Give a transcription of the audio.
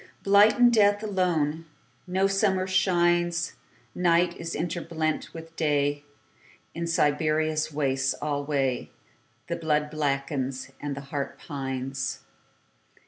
Blight and death alone.No summer shines. Night is interblent with Day.In Siberia's wastes alwayThe blood blackens, the heart pines.